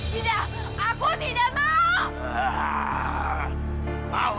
tidak aku tidak mau